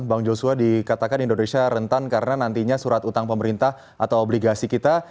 bang joshua dikatakan indonesia rentan karena nantinya surat utang pemerintah atau obligasi kita